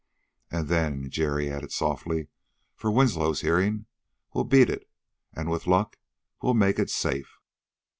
"And then," Jerry added softly for Winslow's hearing, "we'll beat it. And, with luck, we'll make it safe."